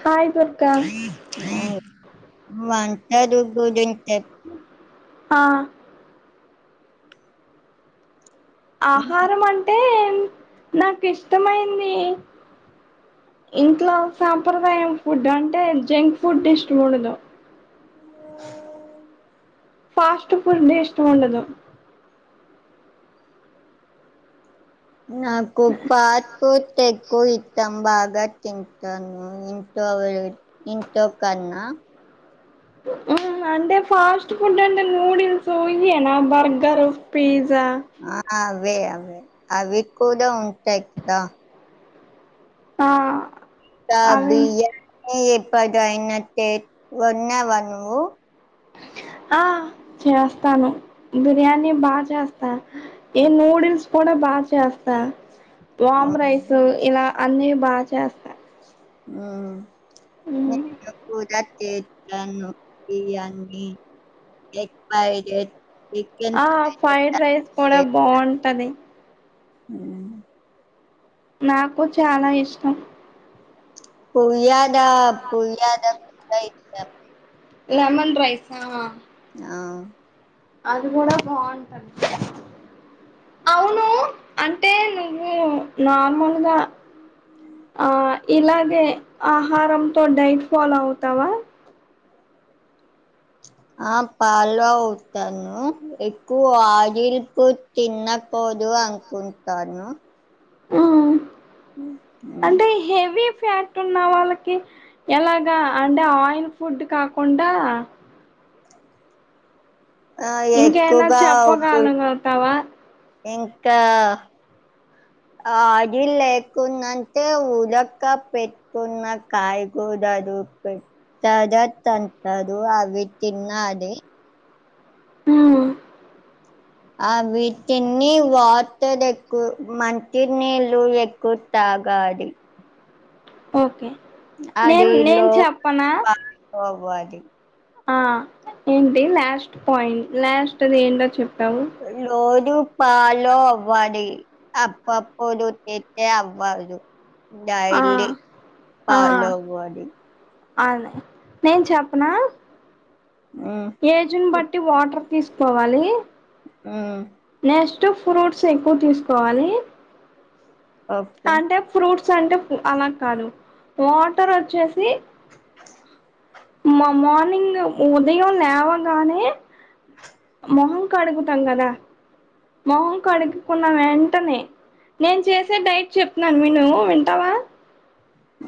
Hi Durga వంటలు గురించి ఆ ఆహారం అంటే నాకు ఇష్టమైంది ఇంట్లో సాంప్రదాయం ఫుడ్ అంటే జంక్ ఫుడ్ ఇష్టం ఉండదు. ఫాస్ట్ ఫుడ్ ఇష్టముండదు నాకు ఫాస్ట్ ఫుడ్ ఎక్కువ ఇష్టం బాగా బ తింటను ఇంట్లో ఇంట్లో కన్నా. అంటే ఫాస్ట్ ఫుడ్ అంటే నూడిల్స్ ఇయేనా బర్గరు పిజ్ ఆ అవే అవే అవి కూడా ఉంటాయి కదా ఆ ఇంకా అవి బియానీ ఎప్పుడయినా చేసుకున్నావా నువ్వు ఆ చేస్తాను బిర్యానీ బాగా చేస్తా ఏ నూడిల్స్ కూడా బాగ చేస్తా వామ్ రైస్ ఇలా అన్నీ బాగా చేస్త ఆ నేను కూడా చేత్తాను బిర్యానీ ఎగ్ ఫ్రైడ్ రైస్ ఆ ఫ్రైడ్ రైస్ కూడా బాగుంటది. మ్మ్. నాకు చాలా ఇష్టం. పులిహోర పులిహోర కూడా ఇష్టం. లెమన్ రైస్ ఆ ఆ అది కూడా బాగుంటది అవును అంటే నువ్వు నార్మల్గా ఆ ఇలాగే ఆహారంతో డైట్ ఫాలో అవుతావా ఆ పాలు అవుతాను ఎక్కువ వాజల్పు తినపోదు పంకుంటాను ఆ ఉమ్. అంటే హెవి ఫ్యాట్ వాళ్ళకి ఎలాగా అంటే ఆయిల్ ఫుడ్ కాకుండా ఆ ఇంకేనా ఎక్కువగా చెప్పగలగతావా ఇంకా ఆడి లేకున్నంటే ఉదక పెట్టుకున్న కాయకూడదు పెట్టద అంత అవివి తిన్న అదే ఆ ఆ వీటిని వార్తలు ఎక్కువ మంచినీలు ఎక్కుత అగాది అ ఓకే నేను నేను లో చెప్పనా పాలు అది ఆ ఏంటి లాస్ట్ పాయింట్ లాస్ట్ అది ఏంటో చెప్ లో అ పాలో అవ్వాడి అప్పప్పుడు చేతేే అవ్వదు ఆ డైల్లీ ఫాలో అవ్వాలి అను నేను చెప్పనా మ్మ్ ఏజ్ని బట్టి వాటర్ తీసుకోవాలి ఆ నెక్స్ట్ ఫ్రూట్స్ ఎక్కువ తీసుకోవాలి ఓకే అంటే ఫ్రూట్స్ అంటే అలా కాదు వాటర్ వచ్చేసి మా మార్నింగ్ ఉదయం లేవగానేే మొహం కడుగుతాం కదా మొహం కడుగుకున్న వెంటనే నేను చేసే డైట్ చెప్పిన్నాను విను వింటావా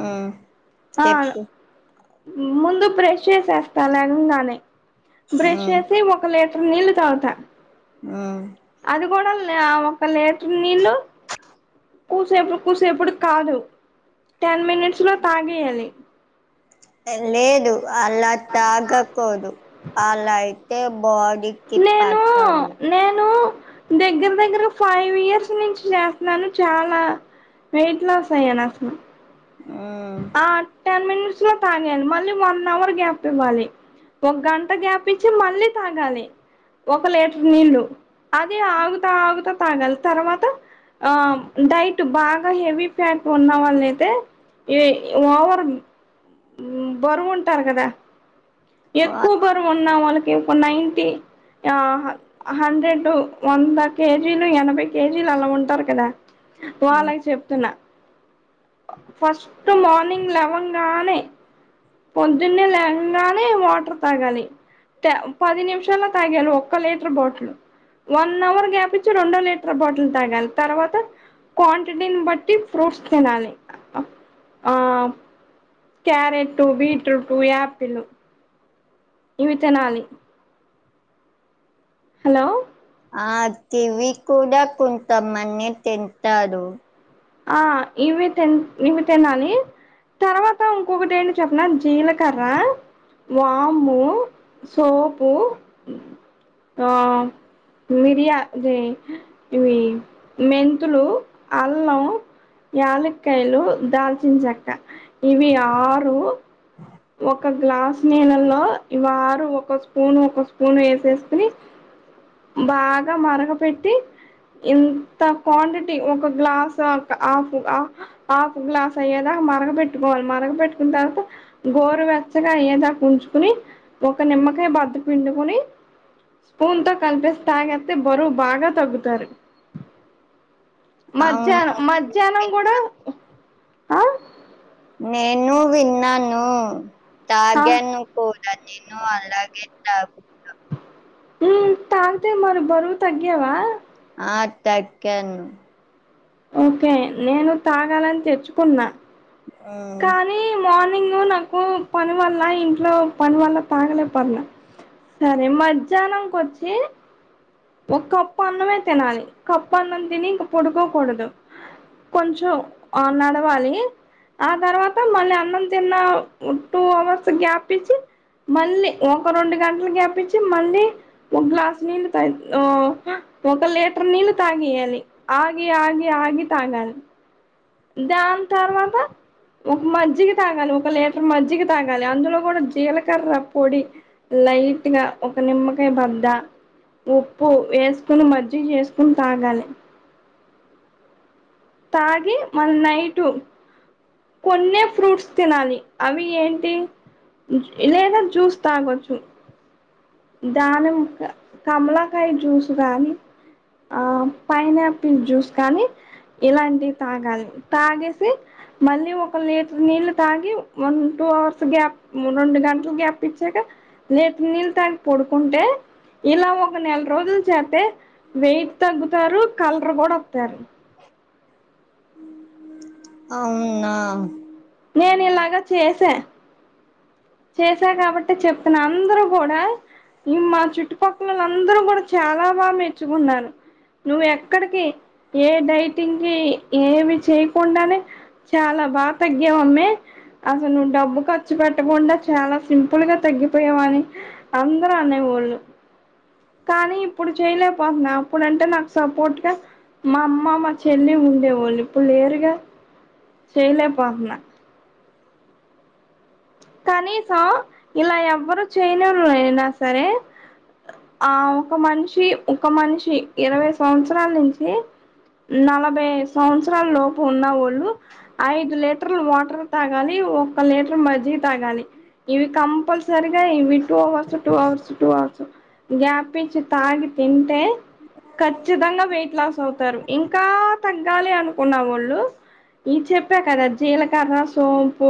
ఆ తె ఆ ముందు బ్రష్ చేసేస్తా లేవంగానే బ్రష్ మ్మ్ చేసి ఒక లే నీళ్లుత్గతా ఆ కూడల్ని ఒక్క లీటర్ నీళ్ళు కూసేపు కూసేపుడ్డకి కాదు టెన్ మినిట్స్లో తాగేయాలి లేదు అలా తాగకూదు అలా అయితే బాీ నేను నేను దగ్గర దగ్గర ఫైవ్ ఇయర్స్ నుంచి చేస్తన్నాను చాలా వెయిట్లాస్అయ్యానాస్లు ఆ టెన్ మినిట్స్లో తాగేలి మళ్ళీ వన్ అవర్ గ్యాప్ ఇవ్వాలి ఒక గంట గ్యాపించి మళ్ళీ తాగాలి ఒక లీటర్ నీళ్ళు అది ఆగుతా ఆగుతా తాగాలి తర్వాత ఆ డైట్ బాగా హెవీ ఫ్యాట్ ఉన్న వాళ్ళ అయితే ఇ ఓవర్ బరువు ఉంటారు కదా ఆ ఎక్కువ బారువు ఉన్నా వాళ్ళకి ఇ నన్టీ ఆ హండ్రెడు వంద కేజీలు ఎనభై కేజీలు అలా ఉంటారు కదా మ్మ్ వాళ్ళక్చెప్తున్నా ఫస్ట్ మార్నింగ్ లెవెన్ గానే పొద్దునే లేవాగ నే వాటర్ తాగాలి పది నిమిషాలల్లో తగ్గేళి ఒక్క లీటర్ బాటిల్ వన్ అవర్ గ్యాపిచ్చి రెండో లీటర్ బాటిల్ తాగాలి తర్వాత క్వాంటిటీని బట్టి ఫ్రూట్స్ తినాలి ఆ క్యారెట్ బీట్రూట్టు ఆపిల్ ఇవి తినాలి హలో ఆ కివి కూడా కొంతమంది తింటారు ఆ ఇవి తన్ ఇవి తినాలి తర్వాత ఇంకొకటి ఏంటో చెప్పన జీలకర్రా వాము సోపు ఆ మిరియా అదే ఈవి మెంతులు అల్లం యాలికాయ్యలు దాల్చిన చక్క ఇవి ఆరు ఒక గ్లాస్ నిలల్లో ఇవ్వరు ఒక స్పూన్ ఒక స్పూన్ వేసేసుకుని బాగా మరగ పెెట్టి ఇంత క్వాంటిటీ ఒక గ్లాస్ దక్ హాఫ్ హాఫ్ గ్లాస్ అయ్యేదా మరగ పెట్టుకోవాలి మరగ పెట్టుకున్న తర్వాత గోరు వెచ్చగా ఏయ్యదా ఉంచుకుని ఒక నిమ్మకాయ బద్ద పిండుకుని స్పూన్ తో కలిపేసి తాగేతే బరువు బాగా తగ్గుతారు మధ్యాహ్నం అవును మధ్యాహ్నం కూడా ఆ నేను విన్నాను ఆ తాగాను కో తాగాను అలాగే తాగ్ హ్మ్ తాగితే మరి బరువ్వు తగ్గవా ఆ తగ్గాను ఓకే నేను తాగాలని తెచ్చుకున్నా ఆ కానీ మో నింగ్ నాకు పనివల్ల ఇంట్లో పని వల్ల తాగలేపోత్న్న సరే మధ్యాహ్నం కొచ్చి ఒక కప్పు అన్నమే తినాలి కప్పు అన్నం తిని ఇంక పొడుకోకూడదు కొంచెం ఆ నడవాలి ఆ తర్వాత మళ్ళీ అన్నం తిన్న టూ అవర్స్కి గ్యాప్ ఇచ్చి మళ్ళీ ఒక రెండు గంటలు గ్యాపించి మళ్ళీ ఒక గ్లాసు నీళ్ళు త ఆ ఒక లీటర్ నీళ్ళ తాగీయాల ఆగి ఆగి ఆగి తాగాలి దన్ తర్వాత ఒక మజ్జిగ తాగాలి ఒక లీటర్ మజ్జిగ తాగాలి అందులో కూడా జీలకర్ర పొడి లైట్గా ఒక నిమ్మకాయ్ బద్ద ఉప్పు వేసుకుని మజ్జిగ్ చేసుకుని తాగాలి తాగి మల్నైటు కొన్నే ఫ్రూట్స్ తినాలి అవి ఏంటి లేదా జ్యూస్ తాగచ్చు దానిమ్ కమలాకాయ జ్యూస్ కానీ ఆ పైనాప్ జ్యూస్ కానీ ఇలాంటి తాగాలి తాగేసి మళ్ళీ ఒక లీటర్ నీళ్ళు తాగి వన్ టూ అవర్స్ గ్యాప్ రెండు గంటలు గ్యాప్ ఇచ్చాక లేటర్ నీళ్ళు తాగి ఉంటే ఇలా ఒక నెల రోజులు చేతే వెయిట్ తగ్గుతారు కలడ్ర్ కూడా వాతారు అవున్నా నేను ఇలాగ చేశాను చేసా కాబట్టి చెప్తున్నా అందరూ కూడా ఈ మా చుట్టుపక్కల అందరూ కూడా చాలా బాగా మెచ్చుకున్నారు ను ఎక్కడ్కే ఏ డైటింగ్కిి ఏమి చేయకుండానే చాలా బాగా తగ్ గవమ్మే అసలు నువ్వు డబ్బు ఖర్చు పెట్టకుండా చాలా సింపుల్గా తగ్గిపోయావని అందరు అనే లు కానీ ఇప్పుడు చేయలేకపోతున్నా అప్పుడుంటే నాకు సపోర్ట్గ మా అమ్ మ్మామ చెల్లి ఉండేవాళ్ళు ఇప్పుడు లేరుగా చేయలేపోతున్నా కనీసం ఇలా ఎవ్వరు చేయ్లేరు అయినా సరే ఆ ఒక మనిషి ఒక మనిషి ఇరవై సంవత్సరాల నుంచి నలభై సంవత్సరాల లోపు ఉన్నవాళ్ళు ఐదు లీటర్లు వాటర్ తాగాలి ఒకలే తాగాలి ఇవి కంపల్సరిగా ఇవి two hours two hours two hours గ్యాపించి తాగి తింటే ఖచ్చితంగా వెయిట్ లాస్ అవుతారు ఇంకా తగ్గాలి అనుకున్న వాళ్ళు ఈ చెప్ప ప్ప కదా జీలకార సోంపు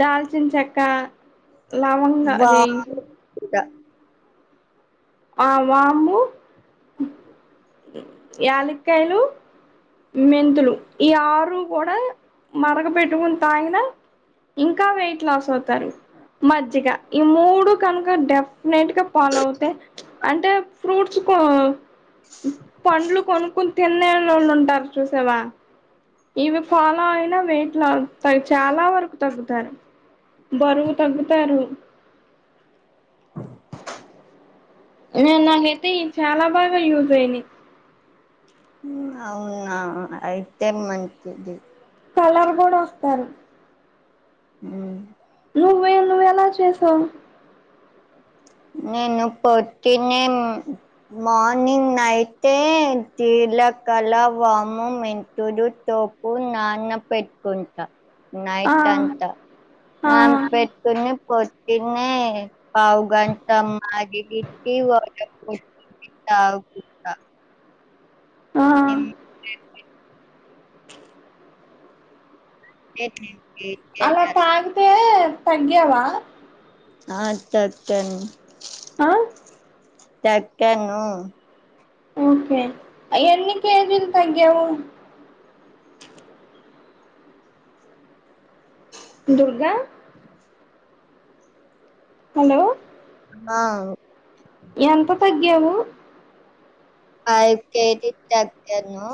దల్చిన్చక్క లవంగా వా ఆది ఆ వమ్ము యాలిక్కయ్లు మెంతులు ఈ ఆరు కూడా మరగ పెెట్టుకుని తాగిన ఇంకా వెయిట్ లాస్ అవుతారు మజ్జిగ ఈ మూడు కనుక డెఫినెట్ గా ఫోళ్ళైతే అంటే ఫ్రూట్స్ పండ్లు కొనుకుని తిన్నేళ్ళళ్ళు ఉంటారు చూసావా ఇవి ఫాలో అయినా వేట్లా చాలా వరకు తగ్గుతారు బరువు తగ్గుతారు నేను నాకైతే ఇవి చాలా బాగా యూజ్ అయినయ్ అవునా అయితే మంచిది కలర్ కూడా వస్తారు ఉ నువ్వే నువెలా చేసావ్ నేను పొట్టినే మార్నింగ్ నైతే చే జిలకల వాము మెంతుడు తోపు నానపెట్టుకుంటా ఆ నైట్ అంతా ఆ నాన్ పెట్టుకుని పొద్దునే తం నానబెట్టి పొద్దున్నే తాగుత ఆ ఎం టండి ఏట్ అలా తాగితే తగ్గావా ఆ తగ్గాను ఆ తక్కాను ఓకే ఎన్ని కేజీలు తగ్యావు దుర్గా హలో ఆ ఎంత తగ్గావు ఐదు కె జి లు తగ్గాను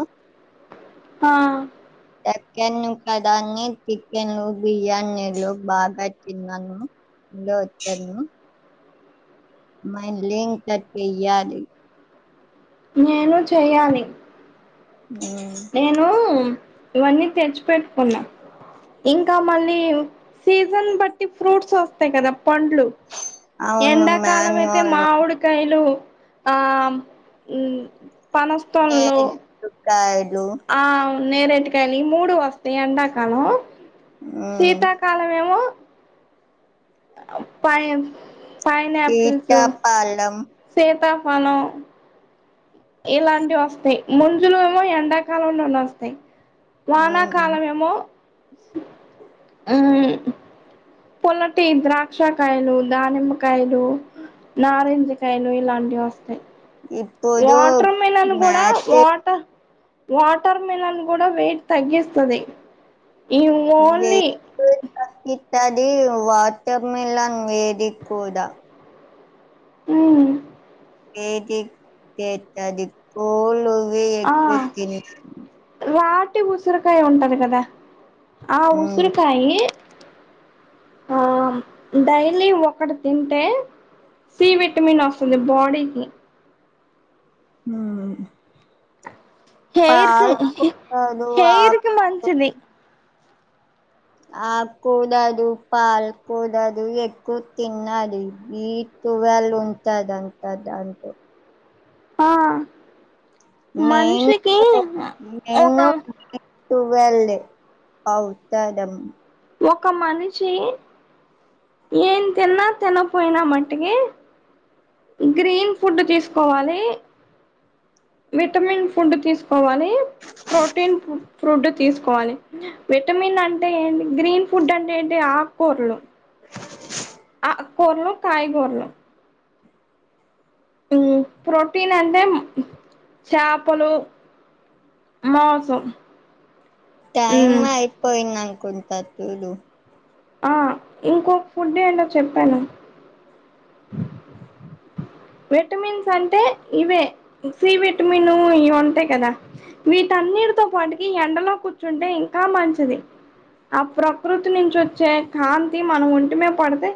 ఆ తక్కాను కదా అని చికెన్లు బిర్యానీలు బాగా తిన్నాను ఇలో వచ్చాను మల్లి ఇంక చేయాలి నేను చెయ్యాలి ఉమ్ నేను ఇవన్నీ తెచ్చి పెట్టుకున్నా ఇంకా మళ్ళీ సీజన్ బట్టి ఫ్రూట్స్ వస్తాయి కదా పండ్లు అవును ఎండాకాలం అయితే మ్యాంగోలు మామిడికాయలు ఆ పనస పండ్లు నేరేడు కాయలు ఆ నేరెటికాయని మూడు వస్తాయి ఎండాకాలం ఉమ్ శీతాకాలం ఏమో పై పైన్ ఆపిల్స్ సీతాఫలం సీతా ఫలం ఇలాంటివి వస్తాయి ముంజులేమో ఎండాకాలంలోనే వస్తాయి ఉమ్. వానాకాలం ఏమో ఉ పొల్లటి ద్రాక్ష కాయలు దానిమ్మకాయలు నారింజకాయలు ఇలాంటి వస్తయి ఇప్పుడు వాటర్ మిలన్ కూడా మ్యాచ్ వాటర్ వాటర్ మిలన్ కూడా వెయిట్ తగ్గిస్తది ఈ ఓన్లీ తది వాటర్ మిలన్ వేడి కూడా ఉ ఏదితేట్టది కోలువి ఎక్కువ తిన ఒట్టి ఉసిరికాయ్ ఉంటది కదా ఆ ఉసిరికాయి ఆ డైలీ ఒకటి తింటే సి విటమిన్ వస్తుంది బాడీకి ఆ హెరుకు ఆకు హైర్కి మంచిది ఆకుకూరలు పాలకూరలు ఎక్కువ తినాలి బిట్ ట్వీల్వ్ ఉంటుందంట దంట్లో ఆ నేను మన్షికి ఒక ట్టువెల్ అవుతదమ్ ఒక మనిషి ఎమ్ తిన్నా తినకపోయినా మట్టికి గ్రీన్ ఫుడ్ తీసుకోవాలి విటమిన్ ఫుడ్ తీసుకోవాలి ప్రోటీన్ ఫుడ్ తీసుకోవాలి విటమిన్ అంటే ఏంటి గ్రీన్ ఫుడ్ అంటే ఏంటి ఆకుకూరలు ఆకుకూరలు కాయగురలు ప్రోటీన్ అంటే చేపలు మసం టైమ్ అయిపోయింద్నకుంట చూడు ఆ ఇంకోక్ఫుడ్ ఏంటో చెప్పాను విటమిన్స్ అంటే ఇవే సి విటమిన్ ఇవి ఉంటాయి కదా వీట అన్నీటితో పాటికి ఎండలో కూర్చుంటే ఇంకా మంచిది ఆ ప్రకృతి నుంచి వచ్చే కాంతి మనం ఒంటిమిద్ పడ్తే